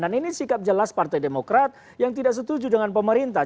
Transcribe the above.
dan ini sikap jelas partai demokrat yang tidak setuju dengan pemerintah